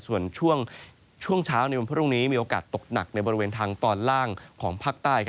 ส่วนช่วงเช้าในวันพรุ่งนี้มีโอกาสตกหนักในบริเวณทางตอนล่างของภาคใต้